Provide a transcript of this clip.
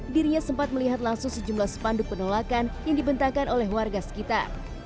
dirinya sempat melihat langsung sejumlah spanduk penolakan yang dibentangkan oleh warga sekitar